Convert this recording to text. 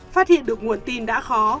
phát hiện được nguồn tin đã khó